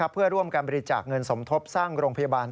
เพื่อร่วมการบริจาคเงินสมทบสร้างโรงพยาบาล